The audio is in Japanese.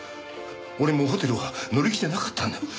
俺もホテルは乗り気じゃなかったんだよ。